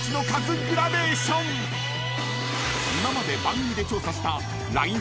［今まで番組で調査したＬＩＮＥ